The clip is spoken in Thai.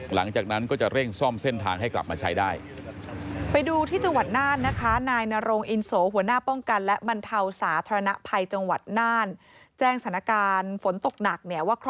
หลังจากนั้นก็จะเร่งซ่อมเส้นทางให้กลับมาใช้ได้